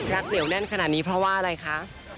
เหนียวแน่นขนาดนี้เพราะว่าอะไรคะ